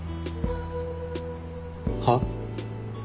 はっ？